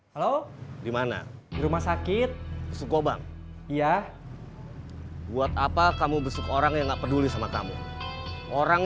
halo gimana rumah sakit suko bang iya buat apa kamu besok orang yang gak peduli sama kamu orang